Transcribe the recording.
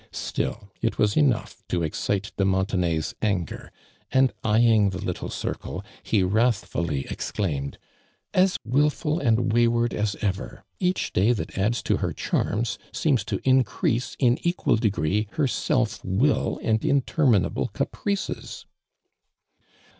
Still it was enough to excite de Muntenay's nngei'. and eyeing tlie little circle, he wrathliilly exclaimed: •• As wilful and wayward as ever! Kacli day that adds to her charms, seems to in crease, in equal degree, her self will and interminable caprices